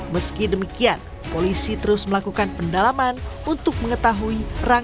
meski demikian polisi terus melakukan pendalaman untuk mengetahui